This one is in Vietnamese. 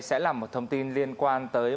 sẽ là một thông tin liên quan tới